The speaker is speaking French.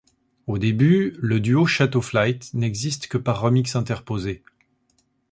Au début, le duo Chateau Flight n’existe que par remixes interposés.